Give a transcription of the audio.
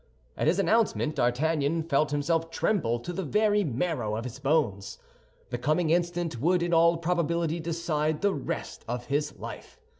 At his announcement D'Artagnan felt himself tremble to the very marrow of his bones. The coming instant would in all probability decide the rest of his life.